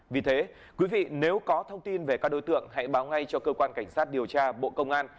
vì thế quý vị nếu có thông tin về các đối tượng hãy báo ngay cho cơ quan cảnh sát điều tra bộ công an